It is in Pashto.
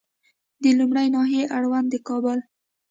د لومړۍ ناحیې اړوند د کابل